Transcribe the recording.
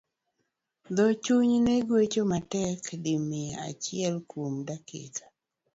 Dho chunye ne gweyo matek di mia achiel kuom dakika.